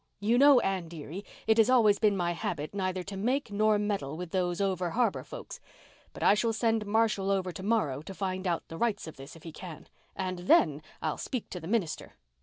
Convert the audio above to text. You know, Anne dearie, it has always been my habit neither to make nor meddle with those over harbour folks. But I shall send Marshall over to morrow to find out the rights of this if he can. And then I'll speak to the minister.